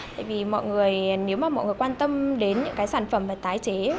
tại vì mọi người nếu mà mọi người quan tâm đến những cái sản phẩm về tái chế